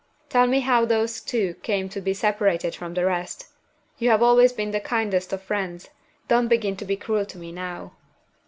"Tell me how those two came to be separated from the rest. You have always been the kindest of friends don't begin to be cruel to me now!"